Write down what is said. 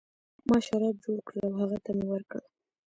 ما شراب جوړ کړل او هغه ته مې ورکړل.